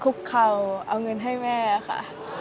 คุกเข่าเอาเงินให้แม่ค่ะ